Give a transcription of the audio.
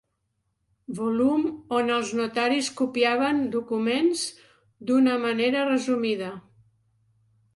Volum on els notaris copiaven documents d'una manera resumida.